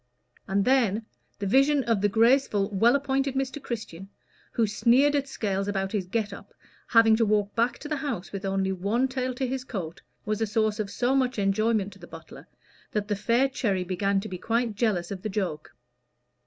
And then the vision of the graceful, well appointed Mr. Christian, who sneered at Scales about his "get up," having to walk back to the house with only one tail to his coat, was a source of so much enjoyment to the butler, that the fair Cherry began to be quite jealous of the joke.